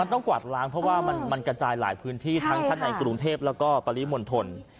ต้องกวาดล้างเพราะว่ามันกระจายหลายพื้นที่ทั้งชั้นในกรุงเทพแล้วก็ปริมณฑล